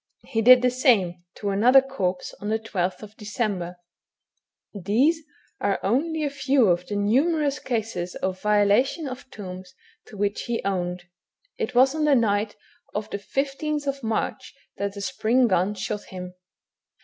He did the same to another corpse on the 12th December. These are only a few of the numerous cases of violation of tombs to which he owned. It was on the night of the 15th March that the spring gun shot him.